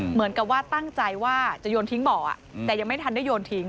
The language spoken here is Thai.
เหมือนกับว่าตั้งใจว่าจะโยนทิ้งบ่อแต่ยังไม่ทันได้โยนทิ้ง